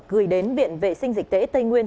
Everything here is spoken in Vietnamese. gửi đến viện vệ sinh dịch tế tây nguyên